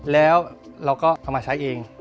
แล้วเราก็เอามาใช้เอง